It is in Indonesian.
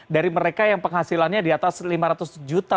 dari mereka yang penghasilannya di atas lima ratus juta